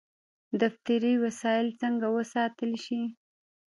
دفتري وسایل څنګه وساتل شي؟